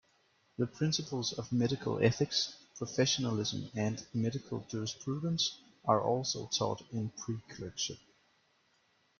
The principles of medical ethics, professionalism and medical jurisprudence are also taught in preclerkship.